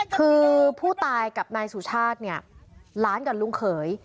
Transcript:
คือผู้ตายกับนายสุชาติเนี่ยหลานกับลุงเขย